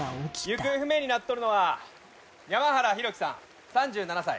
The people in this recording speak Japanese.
行方不明になっとるのは山原浩喜さん３７歳。